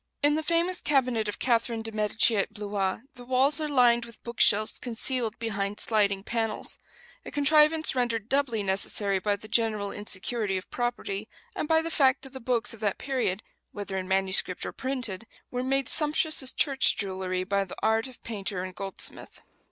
In the famous cabinet of Catherine de Medici at Blois the walls are lined with book shelves concealed behind sliding panels a contrivance rendered doubly necessary by the general insecurity of property, and by the fact that the books of that period, whether in manuscript or printed, were made sumptuous as church jewelry by the art of painter and goldsmith.